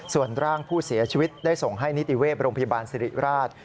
ส่วนร่างผู้เสียชีวิตได้ส่งให้นิติเวศโรงพยาบาลสิริราช